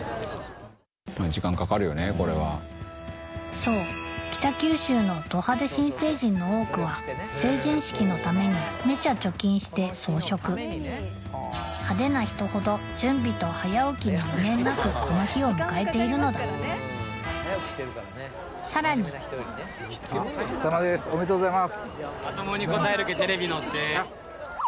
そう北九州のド派手新成人の多くは成人式のためにめちゃ貯金して装飾派手な人ほど準備と早起きに余念なくこの日を迎えているのださらにおめでとうございます。